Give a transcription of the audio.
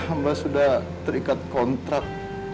amba sudah terikat kontrak